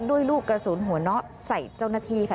ลูกกระสุนหัวเนาะใส่เจ้าหน้าที่ค่ะ